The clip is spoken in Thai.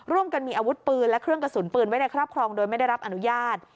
ร่วมกันมีอาวุธปืนและเครื่องกระสุนปืนไว้ในครอบครองโดยไม่ได้รับอนุญาต